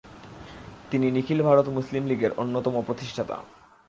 তিনি নিখিল ভারত মুসলিম লীগের অন্যতম প্রতিষ্ঠাতা।